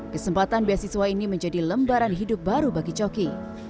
kesempatan beasiswa ini menjadi lembaran hidup baru bagi coki